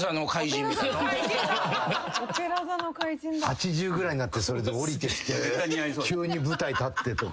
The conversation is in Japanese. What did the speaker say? ８０ぐらいになってそれでおりてきて急に舞台立ってとか。